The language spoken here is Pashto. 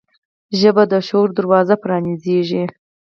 ژبه د شعور دروازه پرانیزي